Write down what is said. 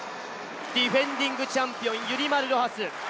ディフェンディングチャンピオンユリマル・ロハス。